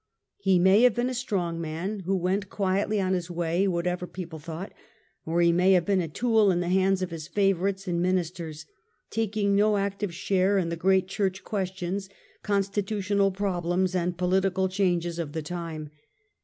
He may have been a strong man who went quietly on his way what ever people thought ; or he may have been a tool in the hands of his favourites and ministers, taking no active share in the great Church questions, constitutional pro blems and pohtical changes of the time.